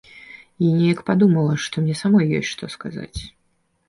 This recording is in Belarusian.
І неяк падумала, што мне самой ёсць што сказаць.